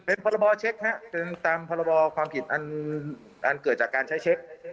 เป็นภาระบอเช็คฮะเป็นภาระบอความผิดอันเกิดจากการใช้เช็ค